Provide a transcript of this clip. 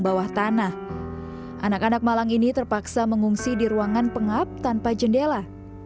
bawah tanah anak anak malang ini terpaksa mengungsi di ruangan pengap tanpa jendela